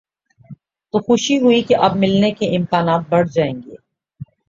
تو خوشی ہوئی کہ اب ملنے کے امکانات بڑھ جائیں گے۔